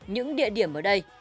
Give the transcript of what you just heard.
những địa điểm ở đây